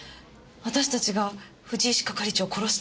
私たちが藤石係長を殺したって。